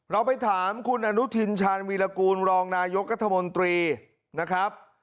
เราไปถามคุณอนุทินชาญวีรกูลรองนายกรัฐมนตรีนะครับ